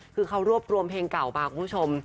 คือเขารวบรวมเพลงเก่ามาคุณผู้ชม